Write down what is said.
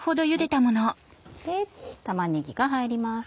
玉ねぎが入ります。